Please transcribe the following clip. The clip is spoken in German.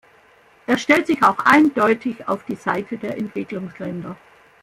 Er stellt sich auch eindeutig auf die Seite der Entwicklungsländer.